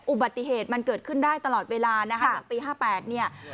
อุบัติเหตุมันเกิดขึ้นได้ตลอดเวลานะคะหลังปี๕๘เนี่ย